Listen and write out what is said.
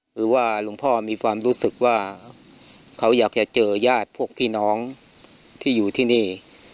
คือว่าหลวงพ่อมีความรู้สึกว่าเขาอยากจะเจอญาติพวกพี่น้องที่อยู่ที่นี่